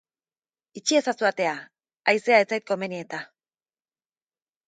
Itxi ezazu atea, haizea ez zait komeni eta.